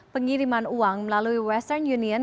pengiriman uang melalui western union